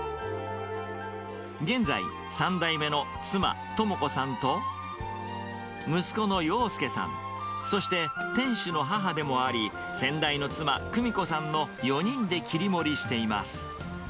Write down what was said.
現在、３代目の妻、朋子さんと、息子の陽介さん、そして店主の母でもあり、先代の妻、久美子さんの４人で切り盛りしています。